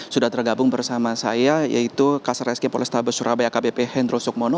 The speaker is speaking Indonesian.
sudah tergabung bersama saya yaitu ksrsk polistabes surabaya kbp hendro soekmono